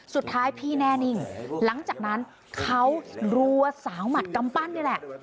สุดท้ายพี่แน่นิ่งหลังจากนั้นเขารัวสาวหมัดกำปั้นนี่แหละ